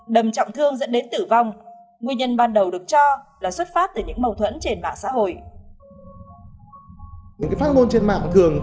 đầm trọng thương dẫn đến tử vong